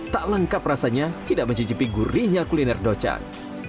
tak lengkap rasanya tidak mencicipi gurihnya kuliner docak